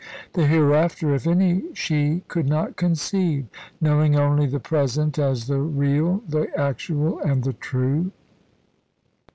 The hereafter if any she could not conceive, knowing only the present as the real, the actual, and the true.